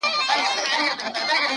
د ښکلي شمعي له انګار سره مي نه لګیږي-